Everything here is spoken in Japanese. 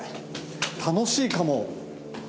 楽しいかも。